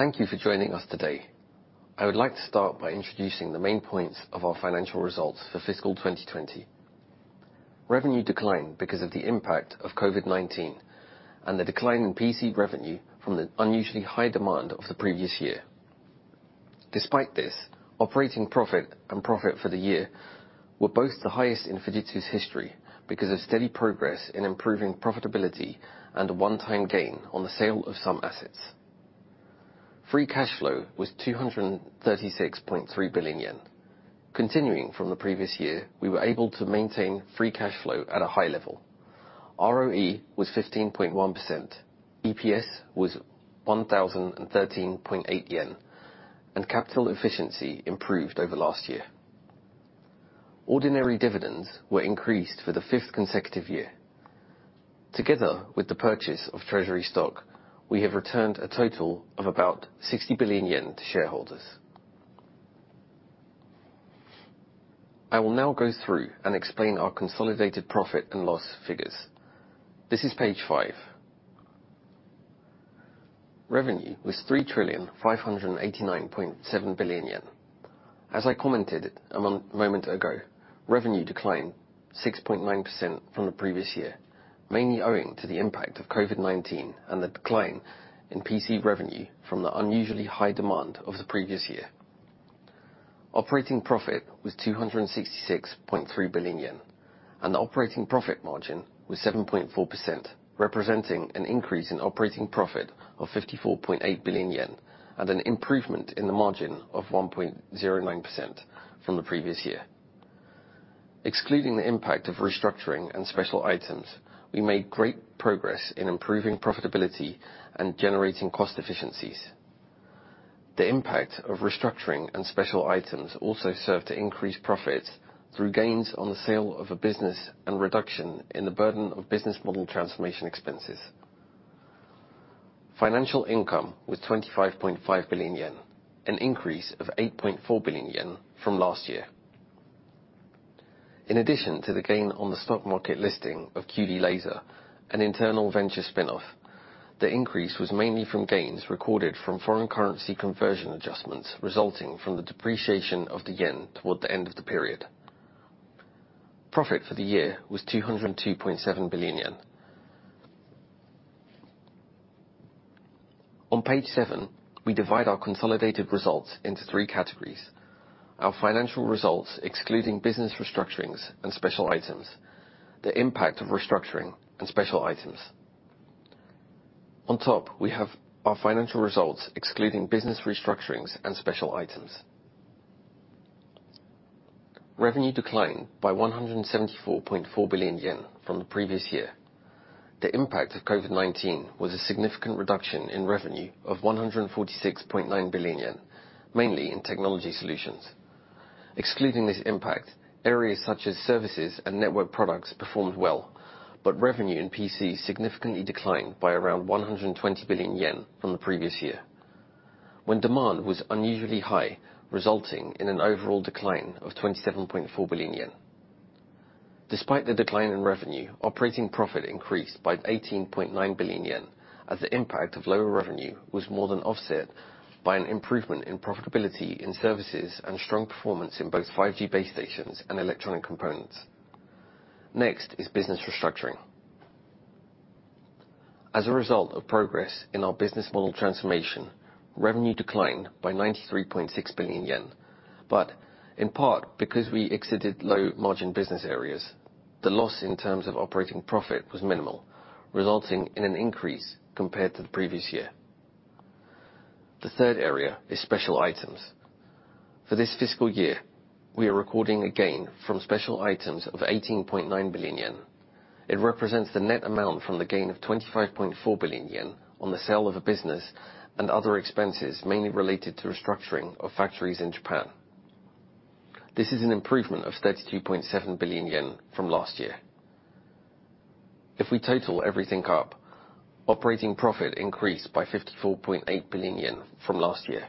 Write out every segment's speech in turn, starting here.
Thank you for joining us today. I would like to start by introducing the main points of our financial results for fiscal 2020. Revenue declined because of the impact of COVID-19 and the decline in PC revenue from the unusually high demand of the previous year. Despite this, operating profit and profit for the year were both the highest in Fujitsu's history because of steady progress in improving profitability and a one-time gain on the sale of some assets. Free cash flow was 236.3 billion yen. Continuing from the previous year, we were able to maintain free cash flow at a high level. ROE was 15.1%, EPS was 1013.8 yen, and capital efficiency improved over last year. Ordinary dividends were increased for the fifth consecutive year. Together with the purchase of treasury stock, we have returned a total of about 60 billion yen to shareholders. I will now go through and explain our consolidated profit and loss figures. This is page five. Revenue was 3,589.7 billion yen. As I commented a moment ago, revenue declined 6.9% from the previous year, mainly owing to the impact of COVID-19 and the decline in PC revenue from the unusually high demand of the previous year. Operating profit was 266.3 billion yen, and the operating profit margin was 7.4%, representing an increase in operating profit of 54.8 billion yen, and an improvement in the margin of 1.09% from the previous year. Excluding the impact of restructuring and special items, we made great progress in improving profitability and generating cost efficiencies. The impact of restructuring and special items also served to increase profits through gains on the sale of a business and reduction in the burden of business model transformation expenses. Financial income was 25.5 billion yen, an increase of 8.4 billion yen from last year. In addition to the gain on the stock market listing of QD Laser, an internal venture spinoff, the increase was mainly from gains recorded from foreign currency conversion adjustments, resulting from the depreciation of the yen toward the end of the period. Profit for the year was 202.7 billion yen. On page seven, we divide our consolidated results into three categories: our financial results, excluding business restructurings and special items, the impact of restructuring and special items. On top, we have our financial results excluding business restructurings and special items. Revenue declined by 174.4 billion yen from the previous year. The impact of COVID-19 was a significant reduction in revenue of 146.9 billion yen, mainly in Technology Solutions. Excluding this impact, areas such as services and network products performed well, but revenue in PCs significantly declined by around 120 billion yen from the previous year, when demand was unusually high, resulting in an overall decline of 27.4 billion yen. Despite the decline in revenue, operating profit increased by 18.9 billion yen, as the impact of lower revenue was more than offset by an improvement in profitability in services and strong performance in both 5G base stations and electronic components. Next is business restructuring. As a result of progress in our business model transformation, revenue declined by 93.6 billion yen, but in part because we exited low margin business areas, the loss in terms of operating profit was minimal, resulting in an increase compared to the previous year. The third area is special items. For this fiscal year, we are recording a gain from special items of 18.9 billion yen. It represents the net amount from the gain of 25.4 billion yen on the sale of a business and other expenses, mainly related to restructuring of factories in Japan. This is an improvement of 32.7 billion yen from last year. If we total everything up, operating profit increased by 54.8 billion yen from last year.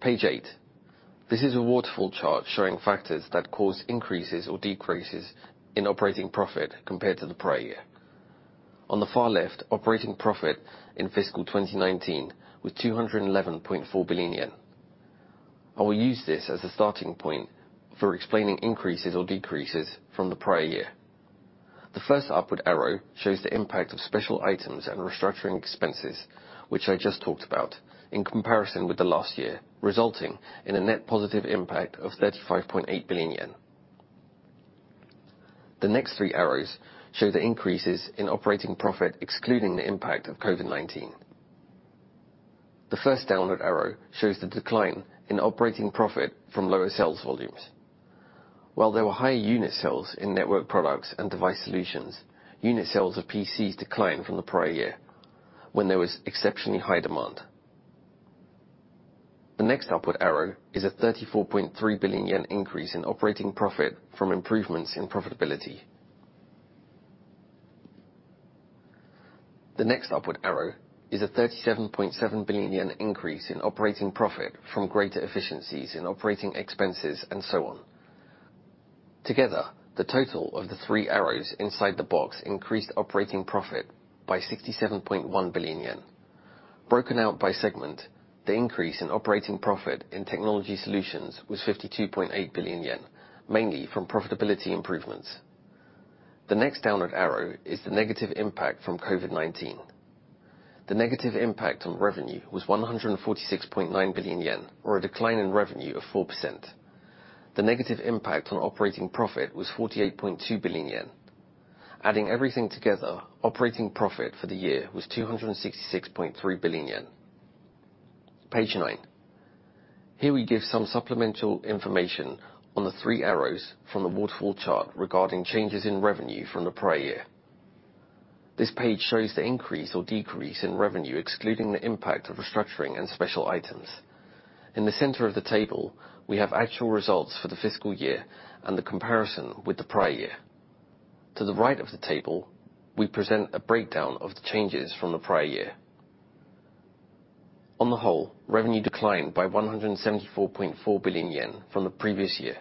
Page eight. This is a waterfall chart showing factors that cause increases or decreases in operating profit compared to the prior year. On the far left, operating profit in fiscal 2019 was 211.4 billion yen. I will use this as a starting point for explaining increases or decreases from the prior year. The first upward arrow shows the impact of special items and restructuring expenses, which I just talked about in comparison with the last year, resulting in a net positive impact of 35.8 billion yen. The next three arrows show the increases in operating profit, excluding the impact of COVID-19. The first downward arrow shows the decline in operating profit from lower sales volumes. While there were higher unit sales in network products and Device Solutions, unit sales of PCs declined from the prior year, when there was exceptionally high demand. The next upward arrow is a 34.3 billion yen increase in operating profit from improvements in profitability. The next upward arrow is a 37.7 billion yen increase in operating profit from greater efficiencies in operating expenses and so on. Together, the total of the three arrows inside the box increased operating profit by 67.1 billion yen. Broken out by segment, the increase in operating profit in Technology Solutions was 52.8 billion yen, mainly from profitability improvements. The next downward arrow is the negative impact from COVID-19. The negative impact on revenue was 146.9 billion yen, or a decline in revenue of 4%. The negative impact on operating profit was 48.2 billion yen. Adding everything together, operating profit for the year was 266.3 billion yen. Page nine. Here we give some supplemental information on the three arrows from the waterfall chart regarding changes in revenue from the prior year. This page shows the increase or decrease in revenue, excluding the impact of restructuring and special items. In the center of the table, we have actual results for the fiscal year and the comparison with the prior year. To the right of the table, we present a breakdown of the changes from the prior year. On the whole, revenue declined by 174.4 billion yen from the previous year.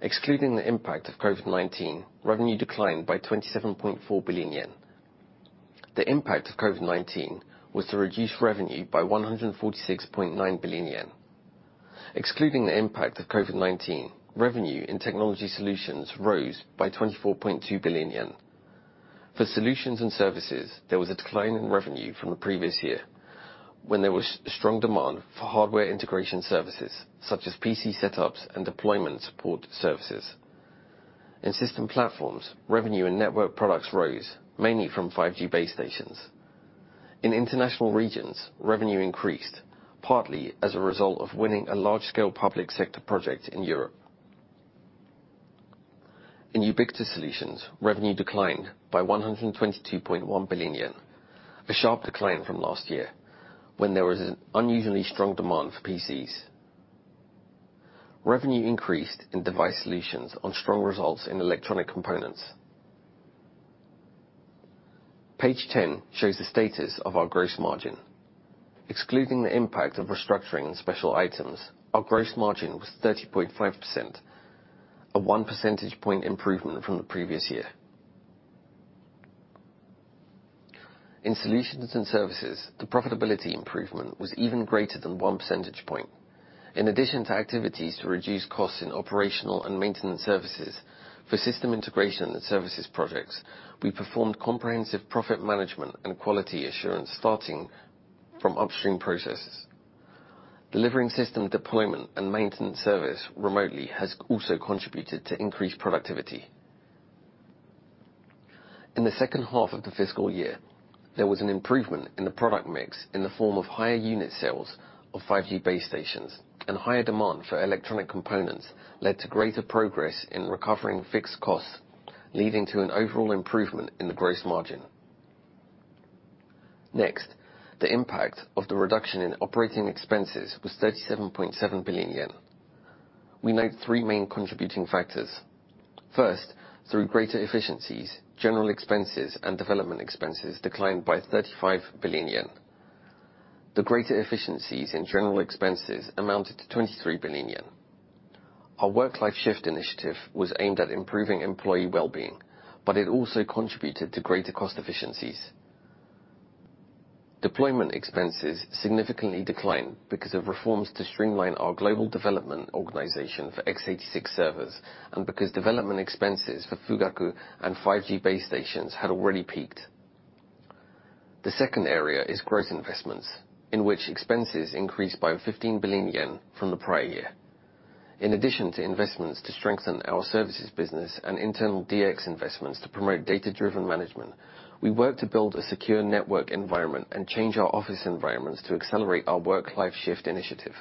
Excluding the impact of COVID-19, revenue declined by 27.4 billion yen. The impact of COVID-19 was to reduce revenue by 146.9 billion yen. Excluding the impact of COVID-19, revenue in Technology Solutions rose by 24.2 billion yen. For solutions and services, there was a decline in revenue from the previous year, when there was strong demand for hardware integration services, such as PC setups and deployment support services. In System Platforms, revenue and network products rose mainly from 5G base stations. In international regions, revenue increased partly as a result of winning a large-scale public sector project in Europe. In Ubiquitous Solutions, revenue declined by 122.1 billion yen, a sharp decline from last year, when there was an unusually strong demand for PCs. Revenue increased in Device Solutions on strong results in electronic components. Page 10 shows the status of our gross margin. Excluding the impact of restructuring and special items, our gross margin was 30.5%, a one percentage point improvement from the previous year. In solutions and services, the profitability improvement was even greater than one percentage point. In addition to activities to reduce costs in operational and maintenance services for system integration and services projects, we performed comprehensive profit management and quality assurance starting from upstream processes. Delivering system deployment and maintenance service remotely has also contributed to increased productivity. In the second half of the fiscal year, there was an improvement in the product mix in the form of higher unit sales of 5G base stations and higher demand for electronic components led to greater progress in recovering fixed costs, leading to an overall improvement in the gross margin. The impact of the reduction in operating expenses was 37.7 billion yen. We note three main contributing factors. Through greater efficiencies, general expenses and development expenses declined by 35 billion yen. The greater efficiencies in general expenses amounted to 23 billion yen. Our Work Life Shift initiative was aimed at improving employee well-being, but it also contributed to greater cost efficiencies. Deployment expenses significantly declined because of reforms to streamline our global development organization for x86 servers and because development expenses for Fugaku and 5G base stations had already peaked. The second area is growth investments, in which expenses increased by 15 billion yen from the prior year. In addition to investments to strengthen our services business and internal DX investments to promote data-driven management, we worked to build a secure network environment and change our office environments to accelerate our Work Life Shift initiative.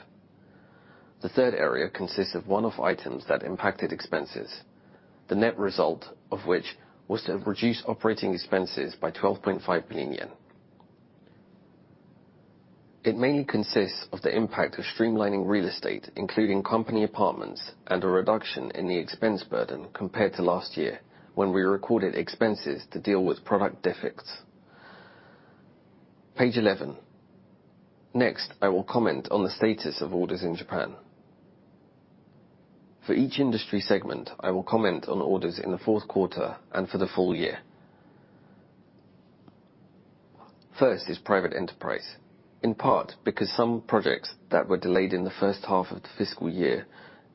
The third area consists of one-off items that impacted expenses, the net result of which was to reduce operating expenses by 12.5 billion yen. It mainly consists of the impact of streamlining real estate, including company apartments and a reduction in the expense burden compared to last year when we recorded expenses to deal with product defects. Page 11. I will comment on the status of orders in Japan. For each industry segment, I will comment on orders in the fourth quarter and for the full year. First is private enterprise. In part because some projects that were delayed in the first half of the fiscal year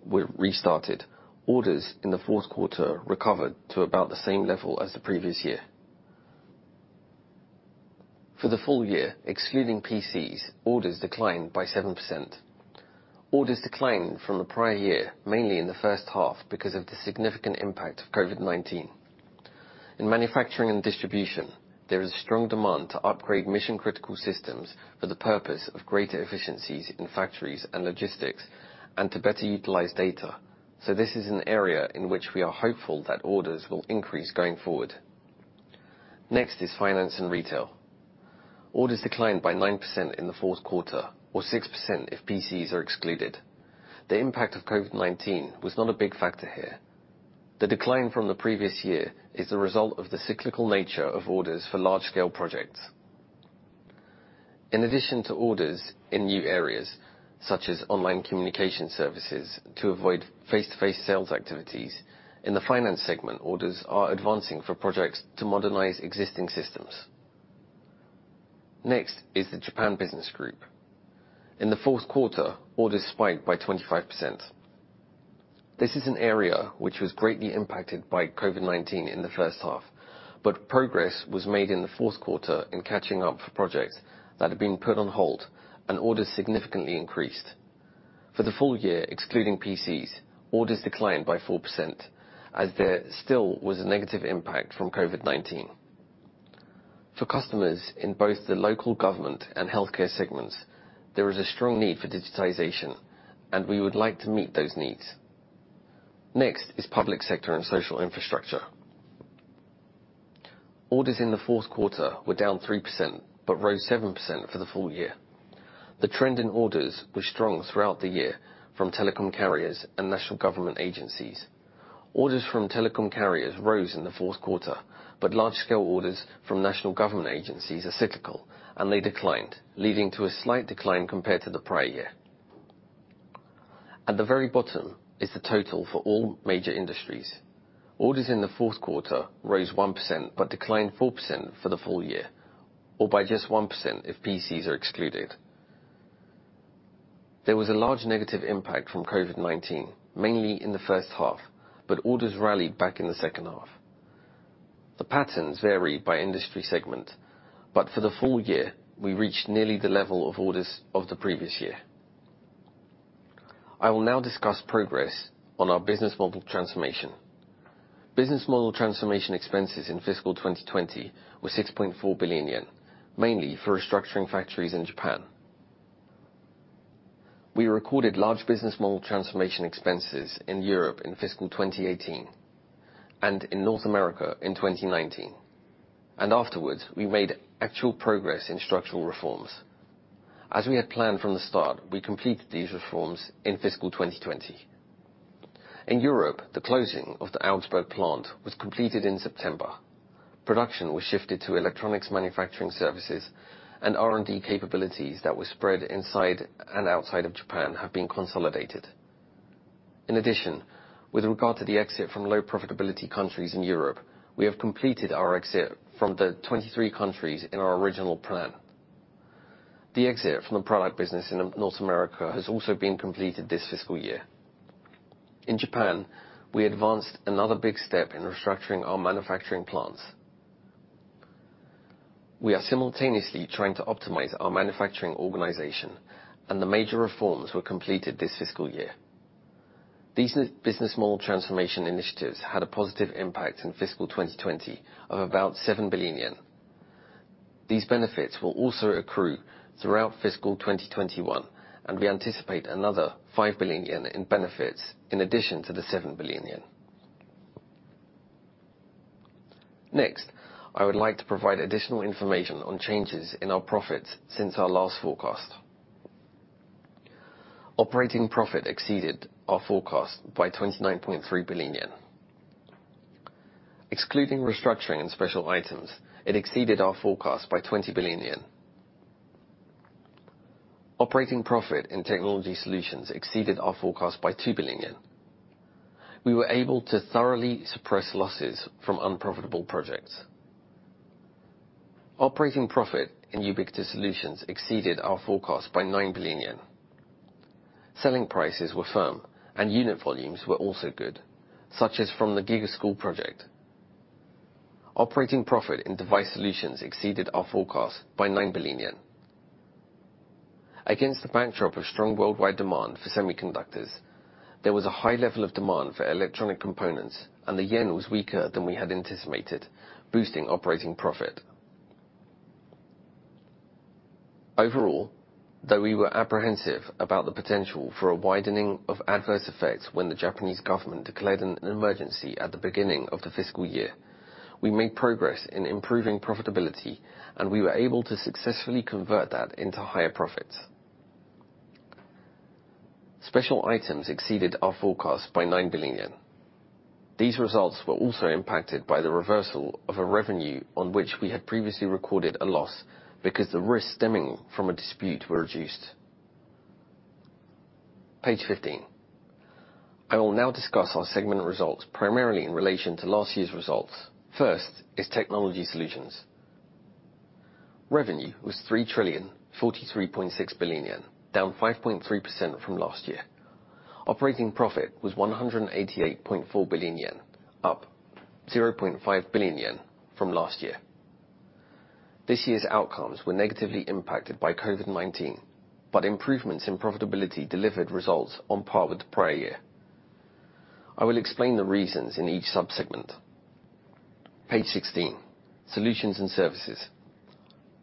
were restarted, orders in the fourth quarter recovered to about the same level as the previous year. For the full year, excluding PCs, orders declined by 7%. Orders declined from the prior year, mainly in the first half, because of the significant impact of COVID-19. In manufacturing and distribution, there is strong demand to upgrade mission-critical systems for the purpose of greater efficiencies in factories and logistics and to better utilize data. This is an area in which we are hopeful that orders will increase going forward. Finance and retail. Orders declined by 9% in the fourth quarter, or 6% if PCs are excluded. The impact of COVID-19 was not a big factor here. The decline from the previous year is the result of the cyclical nature of orders for large-scale projects. In addition to orders in new areas such as online communication services to avoid face-to-face sales activities, in the finance segment, orders are advancing for projects to modernize existing systems. The Japan business group. In the fourth quarter, orders spiked by 25%. This is an area which was greatly impacted by COVID-19 in the first half, but progress was made in the fourth quarter in catching up for projects that had been put on hold, and orders significantly increased. For the full year, excluding PCs, orders declined by 4% as there still was a negative impact from COVID-19. For customers in both the local government and healthcare segments, there is a strong need for digitization, and we would like to meet those needs. Next is public sector and social infrastructure. Orders in the fourth quarter were down 3%, but rose 7% for the full year. The trend in orders was strong throughout the year from telecom carriers and national government agencies. Orders from telecom carriers rose in the fourth quarter, but large-scale orders from national government agencies are cyclical, and they declined, leading to a slight decline compared to the prior year. At the very bottom is the total for all major industries. Orders in the fourth quarter rose 1% but declined 4% for the full year, or by just 1% if PCs are excluded. There was a large negative impact from COVID-19, mainly in the first half, but orders rallied back in the second half. The patterns varied by industry segment, but for the full year, we reached nearly the level of orders of the previous year. I will now discuss progress on our business model transformation. Business model transformation expenses in fiscal 2020 were 6.4 billion yen, mainly for restructuring factories in Japan. We recorded large business model transformation expenses in Europe in fiscal 2018 and in North America in 2019, and afterwards, we made actual progress in structural reforms. As we had planned from the start, we completed these reforms in fiscal 2020. In Europe, the closing of the Augsburg plant was completed in September. Production was shifted to electronics manufacturing services and R&D capabilities that were spread inside and outside of Japan have been consolidated. In addition, with regard to the exit from low profitability countries in Europe, we have completed our exit from the 23 countries in our original plan. The exit from the product business in North America has also been completed this fiscal year. In Japan, we advanced another big step in restructuring our manufacturing plants. We are simultaneously trying to optimize our manufacturing organization, and the major reforms were completed this fiscal year. These business model transformation initiatives had a positive impact in fiscal 2020 of about 7 billion yen. These benefits will also accrue throughout fiscal 2021, and we anticipate another 5 billion yen in benefits in addition to the 7 billion yen. Next, I would like to provide additional information on changes in our profits since our last forecast. Operating profit exceeded our forecast by 29.3 billion yen. Excluding restructuring and special items, it exceeded our forecast by 20 billion yen. Operating profit in Technology Solutions exceeded our forecast by 2 billion yen. We were able to thoroughly suppress losses from unprofitable projects. Operating profit in Ubiquitous Solutions exceeded our forecast by 9 billion yen. Selling prices were firm and unit volumes were also good, such as from the GIGA School project. Operating profit in Device Solutions exceeded our forecast by 9 billion yen. Against the backdrop of strong worldwide demand for semiconductors, there was a high level of demand for electronic components, and the yen was weaker than we had anticipated, boosting operating profit. Overall, though we were apprehensive about the potential for a widening of adverse effects when the Japanese government declared an emergency at the beginning of the fiscal year, we made progress in improving profitability, and we were able to successfully convert that into higher profits. Special items exceeded our forecast by 9 billion yen. These results were also impacted by the reversal of a revenue on which we had previously recorded a loss because the risk stemming from a dispute were reduced. Page 15. I will now discuss our segment results, primarily in relation to last year's results. First is Technology Solutions. Revenue was 3,043.6 billion yen, down 5.3% from last year. Operating profit was 188.4 billion yen, up 0.5 billion yen from last year. This year's outcomes were negatively impacted by COVID-19, but improvements in profitability delivered results on par with the prior year. I will explain the reasons in each sub-segment. Page 16, solutions and services.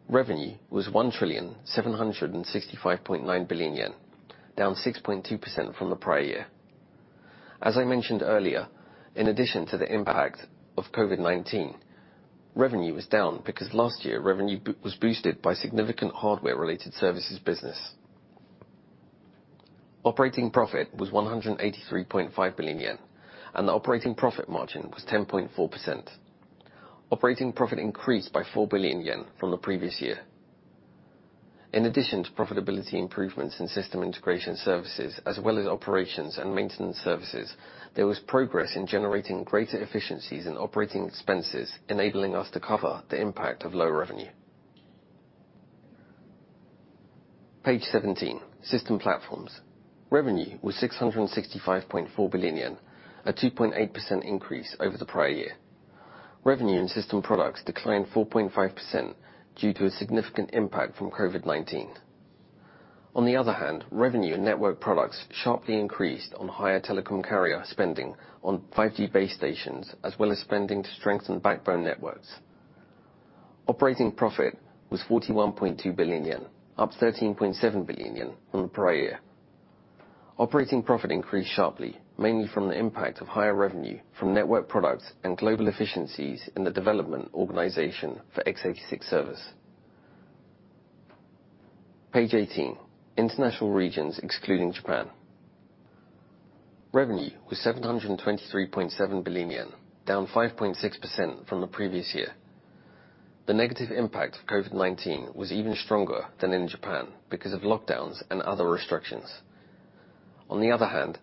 Revenue was 1,765.9 billion yen, down 6.2% from the prior year. As I mentioned earlier, in addition to the impact of COVID-19, revenue was down because last year revenue was boosted by significant hardware-related services business. Operating profit was 183.5 billion yen, and the operating profit margin was 10.4%. Operating profit increased by 4 billion yen from the previous year. In addition to profitability improvements in system integration services, as well as operations and maintenance services, there was progress in generating greater efficiencies in operating expenses, enabling us to cover the impact of low revenue. Page 17, System Platforms. Revenue was 665.4 billion yen, a 2.8% increase over the prior year. Revenue in system products declined 4.5% due to a significant impact from COVID-19. On the other hand, revenue in network products sharply increased on higher telecom carrier spending on 5G base stations, as well as spending to strengthen backbone networks. Operating profit was 41.2 billion yen, up 13.7 billion yen from the prior year. Operating profit increased sharply, mainly from the impact of higher revenue from network products and global efficiencies in the development organization for x86 servers. Page 18, International Regions excluding Japan. Revenue was 723.7 billion yen, down 5.6% from the previous year. The negative impact of COVID-19 was even stronger than in Japan because of lockdowns and other restrictions. On the other hand,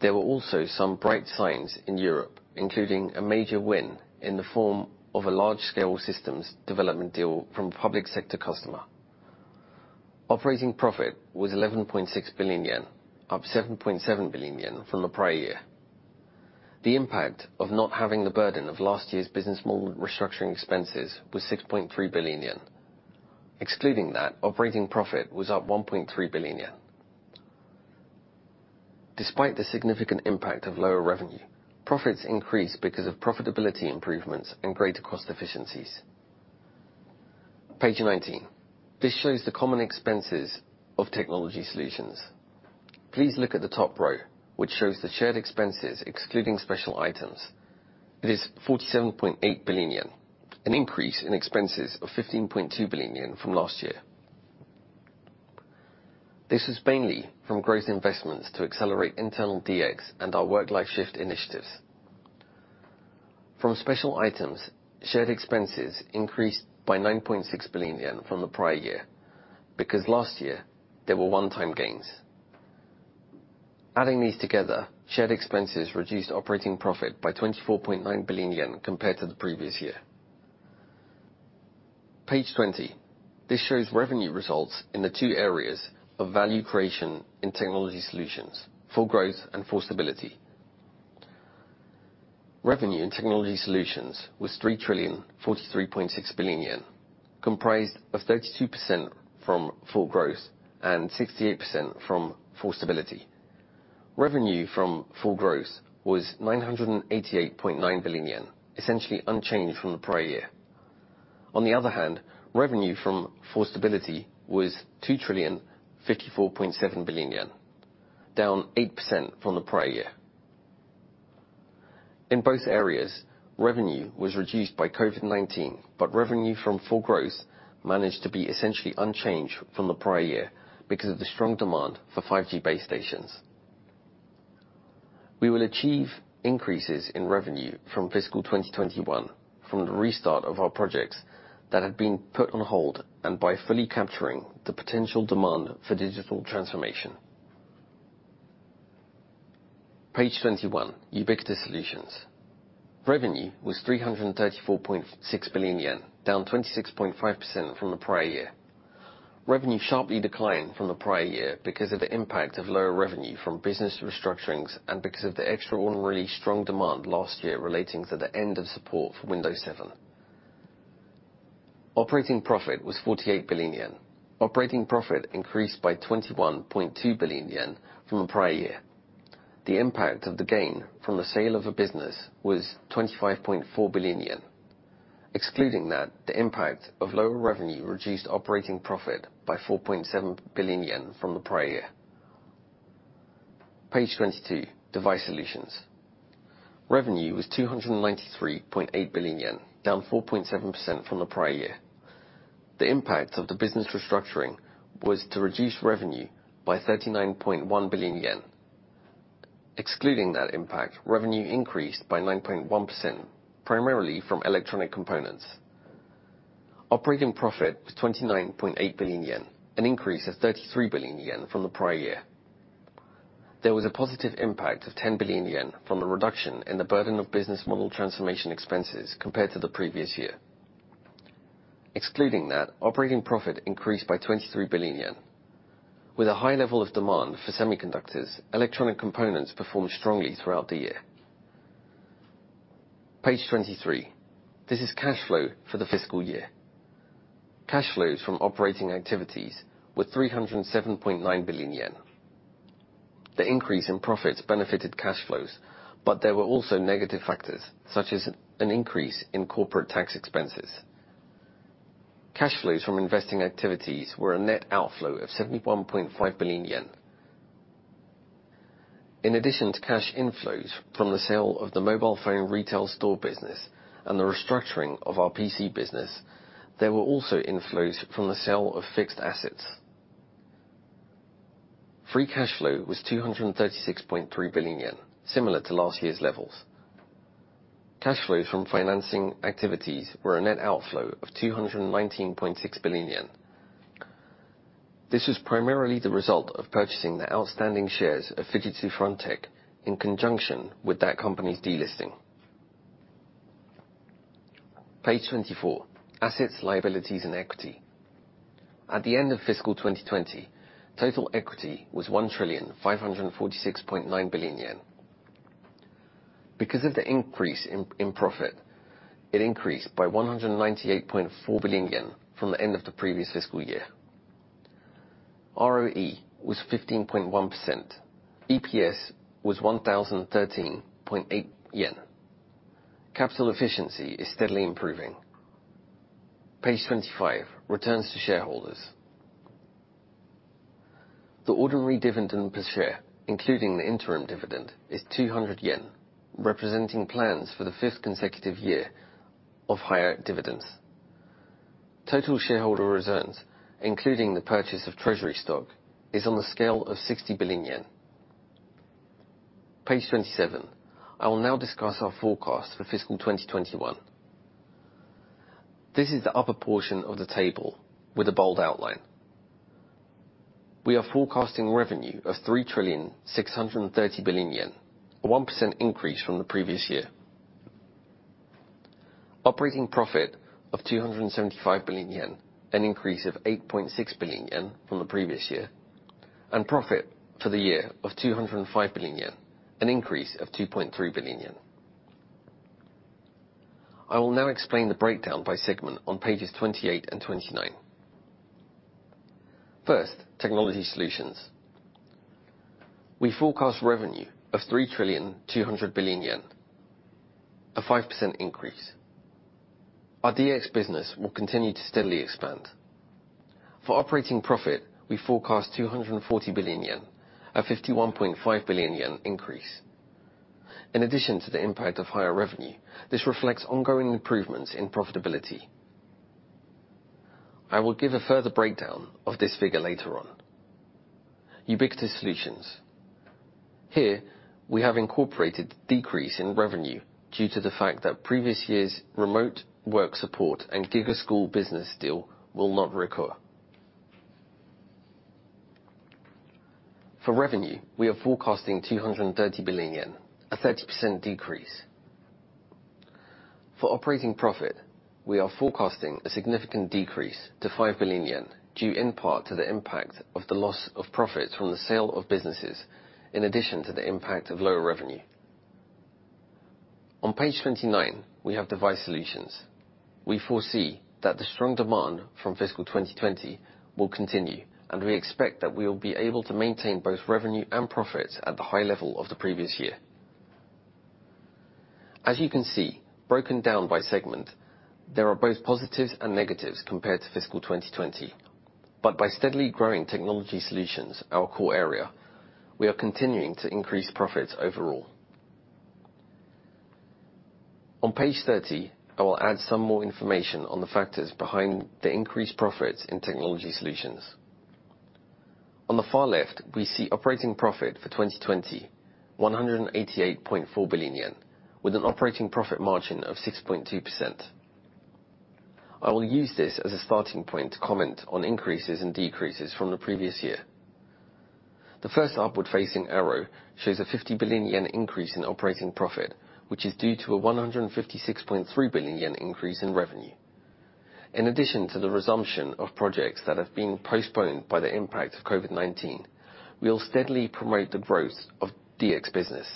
there were also some bright signs in Europe, including a major win in the form of a large-scale systems development deal from a public sector customer. Operating profit was 11.6 billion yen, up 7.7 billion yen from the prior year. The impact of not having the burden of last year's business model restructuring expenses was 6.3 billion yen. Excluding that, operating profit was up 1.3 billion yen. Despite the significant impact of lower revenue, profits increased because of profitability improvements and greater cost efficiencies. Page 19. This shows the common expenses of Technology Solutions. Please look at the top row, which shows the shared expenses excluding special items. It is 47.8 billion yen, an increase in expenses of 15.2 billion yen from last year. This is mainly from growth investments to accelerate internal DX and our Work Life Shift initiatives. From special items, shared expenses increased by 9.6 billion yen from the prior year because last year there were one-time gains. Adding these together, shared expenses reduced operating profit by 24.9 billion yen compared to the previous year. Page 20. This shows revenue results in the two areas of value creation in Technology Solutions: For Growth and For Stability. Revenue in Technology Solutions was 3,043.6 billion yen, comprised of 32% from For Growth and 68% from For Stability. Revenue from For Growth was 988.9 billion yen, essentially unchanged from the prior year. On the other hand, revenue from For Stability was 2,054.7 billion yen, down 8% from the prior year. In both areas, revenue was reduced by COVID-19, but revenue from For Growth managed to be essentially unchanged from the prior year because of the strong demand for 5G base stations. We will achieve increases in revenue from fiscal 2021 from the restart of our projects that have been put on hold, and by fully capturing the potential demand for digital transformation. Page 21, Ubiquitous Solutions. Revenue was 334.6 billion yen, down 26.5% from the prior year. Revenue sharply declined from the prior year because of the impact of lower revenue from business restructurings and because of the extraordinary strong demand last year relating to the end of support for Windows 7. Operating profit was 48 billion yen. Operating profit increased by 21.2 billion yen from the prior year. The impact of the gain from the sale of a business was 25.4 billion yen. Excluding that, the impact of lower revenue reduced operating profit by 4.7 billion yen from the prior year. Page 22, Device Solutions. Revenue was 293.8 billion yen, down 4.7% from the prior year. The impact of the business restructuring was to reduce revenue by 39.1 billion yen. Excluding that impact, revenue increased by 9.1%, primarily from electronic components. Operating profit was 29.8 billion yen, an increase of 33 billion yen from the prior year. There was a positive impact of 10 billion yen from the reduction in the burden of business model transformation expenses compared to the previous year. Excluding that, operating profit increased by 23 billion yen. With a high level of demand for semiconductors, electronic components performed strongly throughout the year. Page 23. This is cash flow for the fiscal year. Cash flows from operating activities were 307.9 billion yen. The increase in profits benefited cash flows, but there were also negative factors, such as an increase in corporate tax expenses. Cash flows from investing activities were a net outflow of 71.5 billion yen. In addition to cash inflows from the sale of the mobile phone retail store business and the restructuring of our PC business, there were also inflows from the sale of fixed assets. Free cash flow was 236.3 billion yen, similar to last year's levels. Cash flows from financing activities were a net outflow of 219.6 billion yen. This was primarily the result of purchasing the outstanding shares of Fujitsu Frontech in conjunction with that company's delisting. Page 24: assets, liabilities, and equity. At the end of fiscal 2020, total equity was 1,546.9 billion yen. Because of the increase in profit, it increased by 198.4 billion yen from the end of the previous fiscal year. ROE was 15.1%. EPS was 1,013.8 yen. Capital efficiency is steadily improving. Page 25: returns to shareholders. The ordinary dividend per share, including the interim dividend, is 200 yen, representing plans for the fifth consecutive year of higher dividends. Total shareholder returns, including the purchase of treasury stock, is on the scale of 60 billion yen. Page 27, I will now discuss our forecast for fiscal 2021. This is the upper portion of the table with a bold outline. We are forecasting revenue of 3 trillion 630 billion, a 1% increase from the previous year. Operating profit of 275 billion yen, an increase of 8.6 billion yen from the previous year, and profit for the year of 205 billion yen, an increase of 2.3 billion yen. I will now explain the breakdown by segment on pages 28 and 29. First, Technology Solutions. We forecast revenue of 3 trillion 200 billion, a 5% increase. Our DX business will continue to steadily expand. For operating profit, we forecast 240 billion yen, a 51.5 billion yen increase. In addition to the impact of higher revenue, this reflects ongoing improvements in profitability. I will give a further breakdown of this figure later on. Ubiquitous Solutions. Here, we have incorporated decrease in revenue due to the fact that previous year's remote work support and GIGA School business deal will not recur. For revenue, we are forecasting 230 billion yen, a 30% decrease. For operating profit, we are forecasting a significant decrease to 5 billion yen, due in part to the impact of the loss of profits from the sale of businesses, in addition to the impact of lower revenue. On page 29, we have Device Solutions. We foresee that the strong demand from fiscal 2020 will continue, and we expect that we will be able to maintain both revenue and profits at the high level of the previous year. As you can see, broken down by segment, there are both positives and negatives compared to fiscal 2020. By steadily growing Technology Solutions, our core area, we are continuing to increase profits overall. On page 30, I will add some more information on the factors behind the increased profits in Technology Solutions. On the far left, we see operating profit for 2020, 188.4 billion yen, with an operating profit margin of 6.2%. I will use this as a starting point to comment on increases and decreases from the previous year. The first upward-facing arrow shows a 50 billion yen increase in operating profit, which is due to a 156.3 billion yen increase in revenue. In addition to the resumption of projects that have been postponed by the impact of COVID-19, we'll steadily promote the growth of DX business.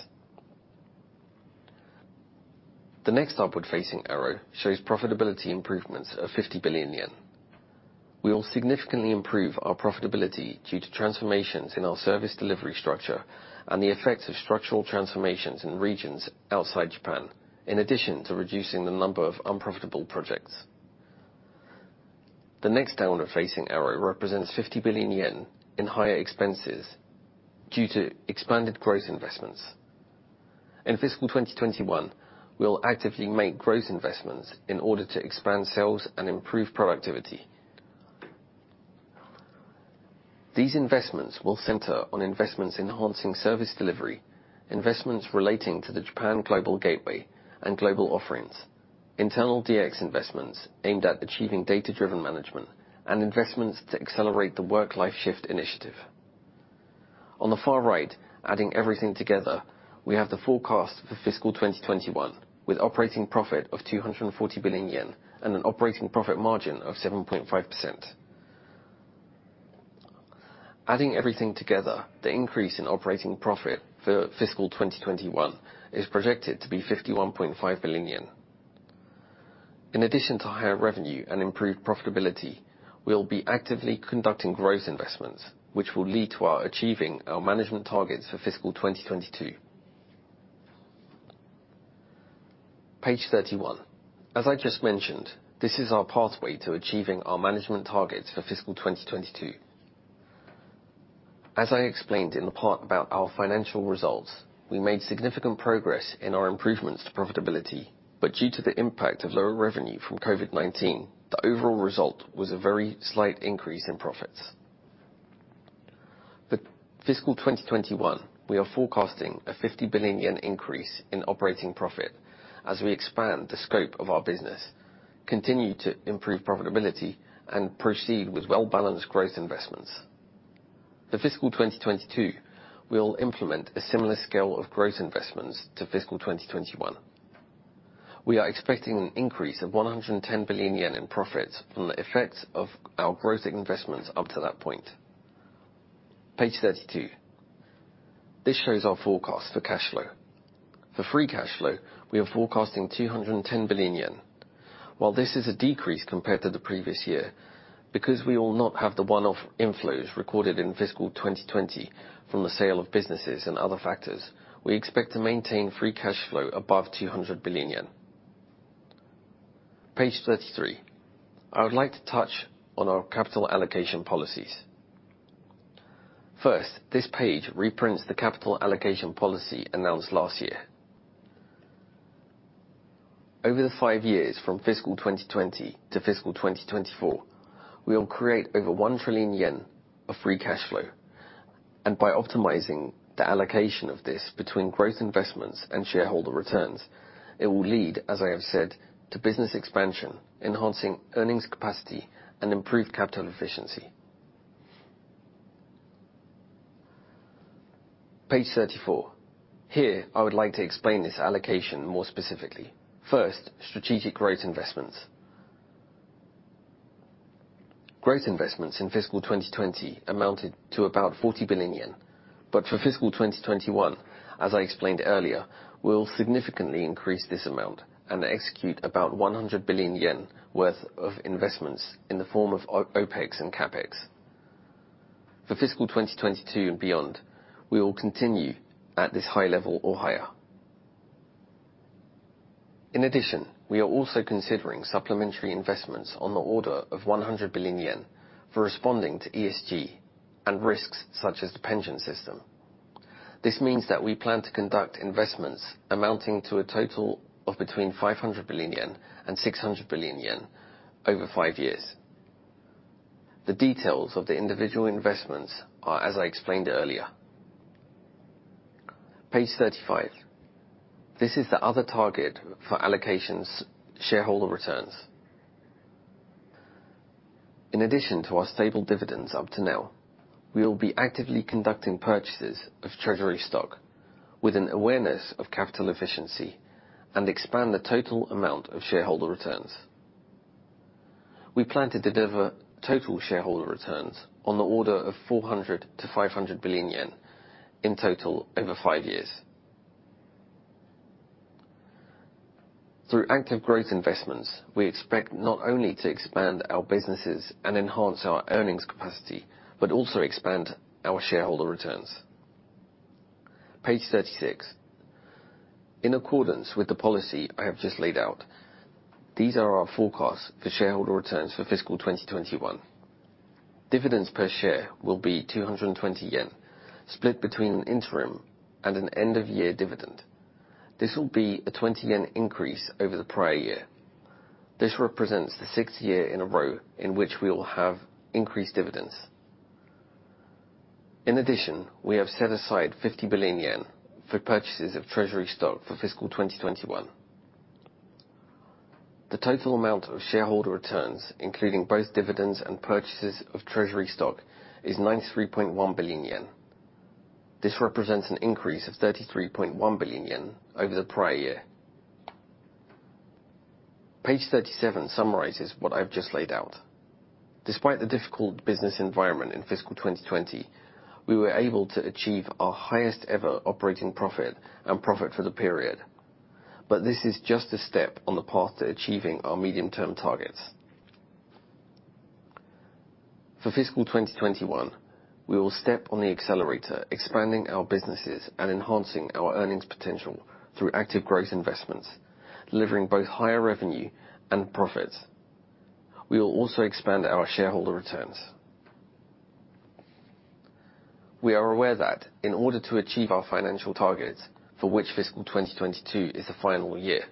The next upward-facing arrow shows profitability improvements of 50 billion yen. We will significantly improve our profitability due to transformations in our service delivery structure and the effects of structural transformations in regions outside Japan, in addition to reducing the number of unprofitable projects. The next downward-facing arrow represents 50 billion yen in higher expenses due to expanded growth investments. In fiscal 2021, we'll actively make growth investments in order to expand sales and improve productivity. These investments will center on investments enhancing service delivery, investments relating to the Japan Global Gateway and global offerings, internal DX investments aimed at achieving data-driven management, and investments to accelerate the Work Life Shift initiative. On the far right, adding everything together, we have the forecast for fiscal 2021, with operating profit of 240 billion yen and an operating profit margin of 7.5%. Adding everything together, the increase in operating profit for fiscal 2021 is projected to be 51.5 billion yen. In addition to higher revenue and improved profitability, we'll be actively conducting growth investments, which will lead to our achieving our management targets for fiscal 2022. Page 31. As I just mentioned, this is our pathway to achieving our management targets for fiscal 2022. As I explained in the part about our financial results, we made significant progress in our improvements to profitability, but due to the impact of lower revenue from COVID-19, the overall result was a very slight increase in profits. For fiscal 2021, we are forecasting a 50 billion yen increase in operating profit as we expand the scope of our business, continue to improve profitability, and proceed with well-balanced growth investments. For fiscal 2022, we'll implement a similar scale of growth investments to fiscal 2021. We are expecting an increase of 110 billion yen in profits from the effects of our growth investments up to that point. Page 32. This shows our forecast for cash flow. For free cash flow, we are forecasting 210 billion yen. While this is a decrease compared to the previous year, because we will not have the one-off inflows recorded in fiscal 2020 from the sale of businesses and other factors, we expect to maintain free cash flow above 200 billion yen. Page 33. I would like to touch on our capital allocation policies. First, this page reprints the capital allocation policy announced last year. Over the five years from fiscal 2020 to fiscal 2024, we will create over 1 trillion yen of free cash flow, and by optimizing the allocation of this between growth investments and shareholder returns, it will lead, as I have said, to business expansion, enhancing earnings capacity and improved capital efficiency. Page 34. Here, I would like to explain this allocation more specifically. First, strategic growth investments. Growth investments in fiscal 2020 amounted to about 40 billion yen. For fiscal 2021, as I explained earlier, we will significantly increase this amount and execute about 100 billion yen worth of investments in the form of OpEx and CapEx. For fiscal 2022 and beyond, we will continue at this high level or higher. In addition, we are also considering supplementary investments on the order of 100 billion yen for responding to ESG and risks such as the pension system. This means that we plan to conduct investments amounting to a total of between 500 billion yen and 600 billion yen over five years. The details of the individual investments are as I explained earlier. Page 35. This is the other target for allocations, shareholder returns. In addition to our stable dividends up to now, we will be actively conducting purchases of treasury stock with an awareness of capital efficiency and expand the total amount of shareholder returns. We plan to deliver total shareholder returns on the order of 400 billion to 500 billion yen in total over five years. Through active growth investments, we expect not only to expand our businesses and enhance our earnings capacity, but also expand our shareholder returns. Page 36. In accordance with the policy I have just laid out, these are our forecasts for shareholder returns for fiscal 2021. Dividends per share will be 220 yen, split between an interim and an end of year dividend. This will be a 20 yen increase over the prior year. This represents the sixth year in a row in which we will have increased dividends. In addition, we have set aside 50 billion yen for purchases of treasury stock for fiscal 2021. The total amount of shareholder returns, including both dividends and purchases of treasury stock, is 93.1 billion yen. This represents an increase of 33.1 billion yen over the prior year. Page 37 summarizes what I've just laid out. Despite the difficult business environment in fiscal 2020, we were able to achieve our highest ever operating profit and profit for the period. This is just a step on the path to achieving our medium term targets. For fiscal 2021, we will step on the accelerator, expanding our businesses and enhancing our earnings potential through active growth investments, delivering both higher revenue and profits. We will also expand our shareholder returns. We are aware that in order to achieve our financial targets, for which fiscal 2022 is the final year,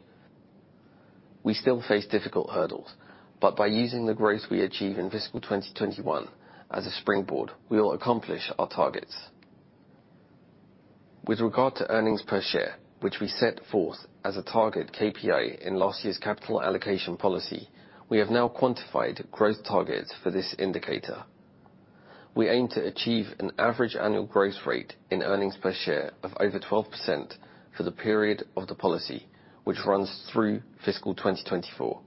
we still face difficult hurdles. By using the growth we achieve in fiscal 2021 as a springboard, we will accomplish our targets. With regard to earnings per share, which we set forth as a target KPI in last year's capital allocation policy, we have now quantified growth targets for this indicator. We aim to achieve an average annual growth rate in earnings per share of over 12% for the period of the policy, which runs through fiscal 2024.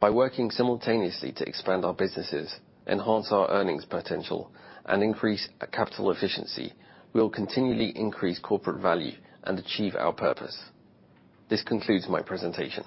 By working simultaneously to expand our businesses, enhance our earnings potential, and increase capital efficiency, we will continually increase corporate value and achieve our purpose. This concludes my presentation.